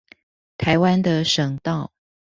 臺灣的省道